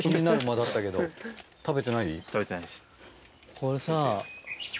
これさ。